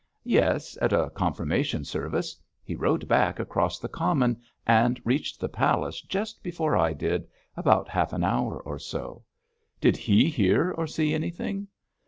'Yes, at a confirmation service. He rode back across the common, and reached the palace just before I did about half an hour or so.' 'Did he hear or see anything?'